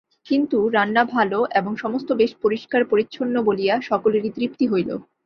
কিন্তু, রান্না ভালো এবং সমস্ত বেশ পরিষ্কার পরিচ্ছন্ন বলিয়া সকলেরই তৃপ্তি হইল।